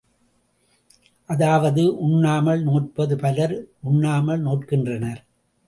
அதாவது உண்ணாமல் நோற்பது பலர் உண்ணாமல் நோற்கின்றனர்.